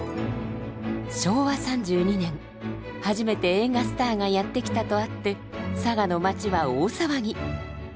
昭和３２年初めて映画スターがやって来たとあって佐賀の町は大騒ぎ！